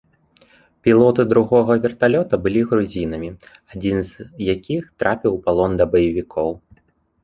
Пілоты другога верталёта былі грузінамі, адзін з якіх трапіў у палон да баевікоў.